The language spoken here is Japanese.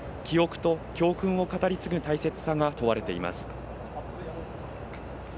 記憶と教訓を語り継ぐ大切さが問われています